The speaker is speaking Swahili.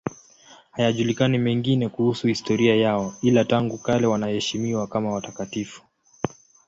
Hayajulikani mengine kuhusu historia yao, ila tangu kale wanaheshimiwa kama watakatifu.